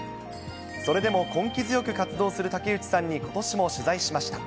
それでも根気強く活動する竹内さんにことしも取材しました。